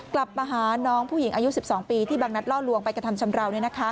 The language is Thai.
กลับมาหาน้องผู้หญิงอายุ๑๒ปีที่บางนัดล่อลวงไปกระทำชำราว